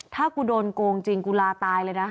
ถ้ากูโดนโกงจริงกูลาตายเลยนะ